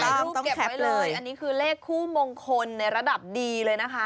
ต้องเก็บไว้เลยอันนี้คือเลขคู่มงคลในระดับดีเลยนะคะ